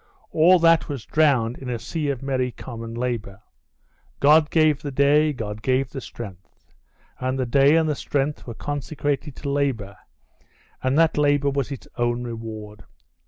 All that was drowned in a sea of merry common labor. God gave the day, God gave the strength. And the day and the strength were consecrated to labor, and that labor was its own reward.